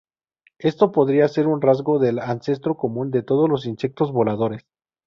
Esto podría ser un rasgo del ancestro común de todos los insectos voladores.